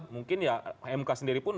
mungkin ya mk sendiri pun